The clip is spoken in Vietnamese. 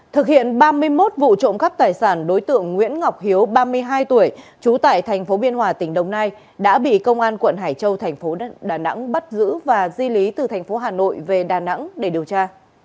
thực hiện ba mươi một vụ trộm khắp tài sản đối tượng nguyễn ngọc hiếu ba mươi hai tuổi trú tại tp biên hòa tỉnh đồng nai đã bị công an quận hải châu tp đà nẵng bắt giữ và di lý từ tp hà nội về đà nẵng để điều tra